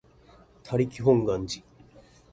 他力本願寺